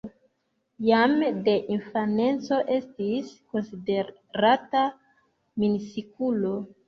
Jam de infaneco estis konsiderata mistikulo.